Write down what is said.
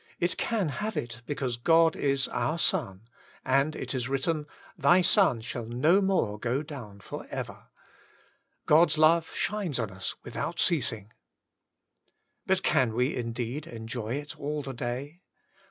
It can have it, because God i^ our sun, and it is written, *Thy sun shall no more go down fop ever.' God's love shines oti us without ceasing. But can we indeed onjoy it all the day?